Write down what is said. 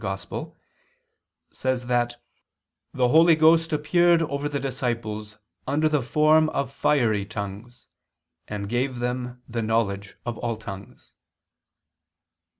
] says that "the Holy Ghost appeared over the disciples under the form of fiery tongues, and gave them the knowledge of all tongues."